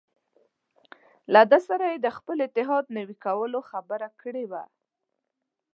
له ده سره یې د خپل اتحاد نوي کولو خبره کړې وه.